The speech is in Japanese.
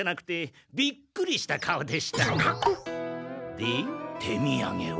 で手みやげは？